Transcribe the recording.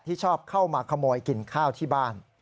ชอบเข้ามาขโมยกินข้าวที่บ้าน